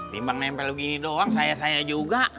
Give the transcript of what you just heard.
timbang nempel begini doang saya saya juga